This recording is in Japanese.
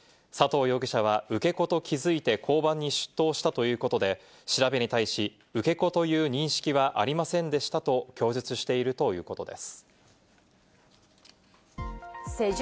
佐藤容疑者は受け子と気付いて交番に出頭したということで、調べに対し、受け子という認識はありませんでしたと供述しているということです。